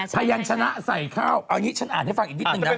พยานชนะใส่ข้าวเอางี้ฉันอ่านให้ฟังอีกนิดนึงนะ